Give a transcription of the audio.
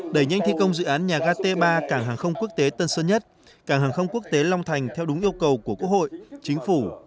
đẩy nhanh thi công dự án nhà ga t ba cảng hàng không quốc tế tân sơn nhất cảng hàng không quốc tế long thành theo đúng yêu cầu của quốc hội chính phủ